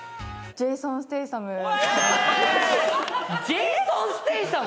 ジェイソン・ステイサム！？